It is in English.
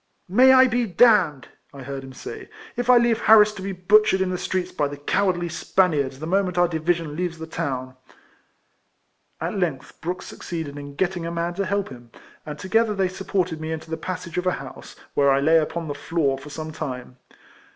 " May I be —!" I heard him say, " if I leave Harris to be butchered in the streets by the cowardly Spaniards the moment our division leaves the town." At length Brooks succeeded in getting a^ man to help him, and together they sup ported me into the passage of a house, where I lay upon the floor for some time.